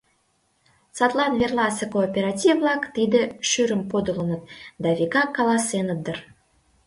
Садлан верласе кооператив-влак тиде «шӱрым подылыныт» да вигак каласеныт дыр: